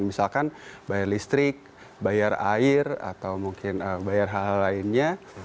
misalkan bayar listrik bayar air atau mungkin bayar hal hal lainnya